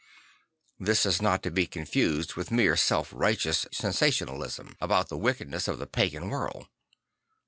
This is not to be confused with mere self righteous sensationalism about the wickedness of the pagan world.